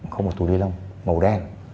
không một túi ly lông màu đen